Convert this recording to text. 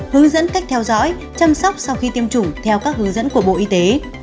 hướng dẫn cách theo dõi chăm sóc sau khi tiêm chủng theo các hướng dẫn của bộ y tế